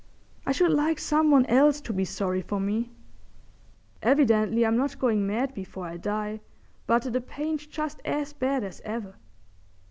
I should like some one else to be sorry for me. Evidently I'm not going mad before I die, but the pain's just as bad as ever.